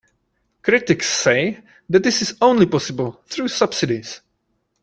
Critics say that this is only possible through subsidies.